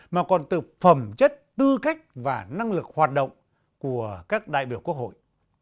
mà còn từ phẩm chất tư cách và năng lực hoạt động của các đại biểu quốc hội